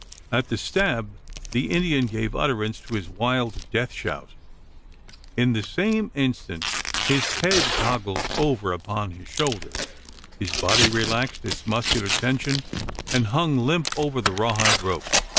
At the stab, the Indian gave utterance to his wild death shout. In the same instant his head coggled over upon his shoulder, his body relaxed its muscular tension, and hung limp over the raw hide rope.